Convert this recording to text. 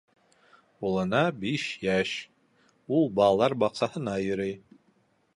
Улына биш йәш. Ул балалар баҡсаһына йөрөй.